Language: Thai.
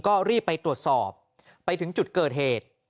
ก็รีบไปตรวจสอบไปถึงจุดเกิดเหตุ